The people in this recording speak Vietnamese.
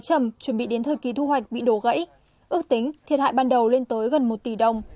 ước tính thiệt hại ban đầu lên tới gần một tỷ đồng